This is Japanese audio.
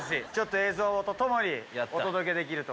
映像とともにお届けできると。